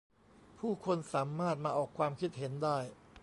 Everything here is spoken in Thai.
ผู้คนสามารถมาออกความคิดเห็นได้